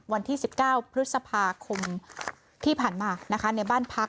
วันที่๑๙พฤษภาคมที่ผ่านมานะคะในบ้านพัก